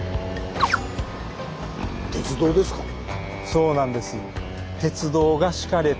そうなんです。